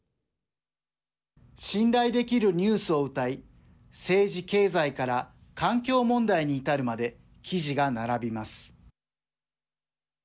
信頼できるニュースをうたい政治経済から環境問題に至るまで記事が並びます。